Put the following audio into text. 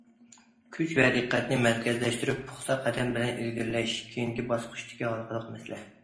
كۈچ ۋە دىققەتنى مەركەزلەشتۈرۈپ، پۇختا قەدەم بىلەن ئىلگىرىلەش كېيىنكى باسقۇچتىكى ھالقىلىق مەسىلە.